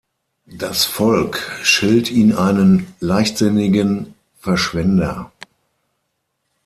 Das Volk schilt ihn einen leichtsinnigen Verschwender.